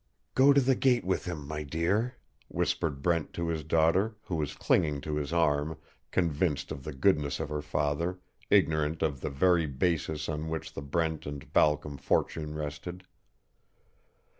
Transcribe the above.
"Go to the gate with him, my dear," whispered Brent to his daughter, who was clinging to his arm, convinced of the goodness of her father, ignorant of the very basis on which the Brent and Balcom fortune rested.